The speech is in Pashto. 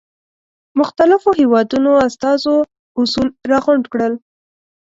مختلفو هېوادونو استازو اصول را غونډ کړل.